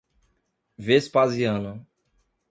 Vespasiano